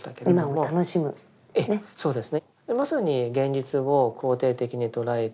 あそうですね。